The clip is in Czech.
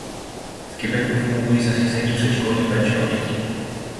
V kibucu fungují zařízení předškolní péče o děti.